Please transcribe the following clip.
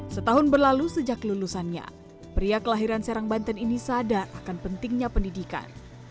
setahun berlalu sejak lulusannya pria kelahiran serang banten ini sadar akan pentingnya pendidikan